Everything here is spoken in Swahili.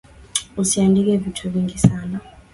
Usiandike vitu vingi sana.